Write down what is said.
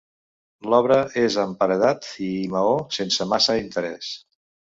L'obra és amb paredat i maó, sense massa interès.